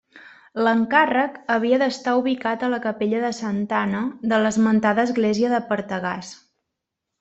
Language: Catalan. L'encàrrec havia d'estar ubicat a la capella de Santa Anna de l'esmentada església de Pertegàs.